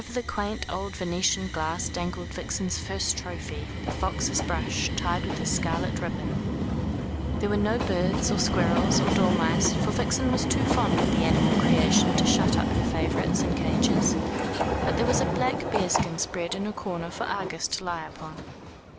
Over the quaint old Venetian glass dangled Vixen's first trophy, the fox's brush, tied with a scarlet ribbon. There were no birds, or squirrels, or dormice, for Vixen was too fond of the animal creation to shut her favourites up in cages; but there was a black bearskin spread in a corner for Argus to lie upon.